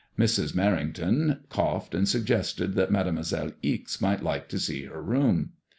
Mrs. Merring ton coughed and suggested that Mademoiselle Ixe might like to see her room.